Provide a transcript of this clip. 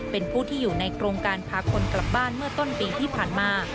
เป็นผู้ที่อยู่ในโครงการพาคนกลับบ้านเมื่อต้นปีที่ผ่านมา